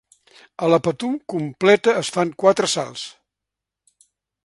A la Patum completa es fan quatre salts.